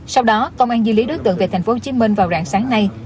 sau đó công an di lý đối tượng về tp hcm vào rạng sáng nay